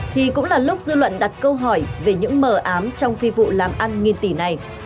thì cũng là lúc dư luận đặt câu hỏi về những mờ ám trong phi vụ làm ăn nghìn tỷ này